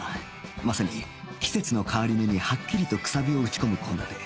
まさに季節の変わり目にはっきりとくさびを打ち込む献立